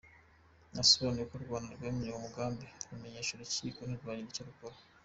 Yasobanuye ko u Rwanda rwamenye uwo mugambi rumenyesha urukiko ntirwagira icyo rukora.